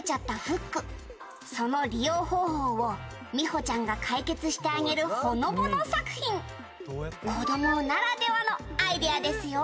「その利用方法をミホちゃんが解決してあげるほのぼの作品」「子どもならではのアイデアですよ」